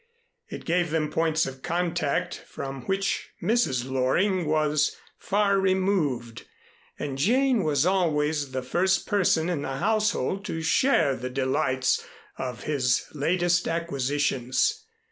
It gave them points of contact from which Mrs. Loring was far removed, and Jane was always the first person in the household to share the delights of his latest acquisitions.